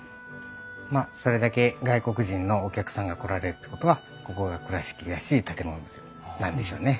まあそれだけ外国人のお客さんが来られるってことはここが倉敷らしい建物なんでしょうね。